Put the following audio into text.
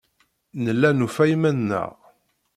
Nella nufa iman-nneɣ.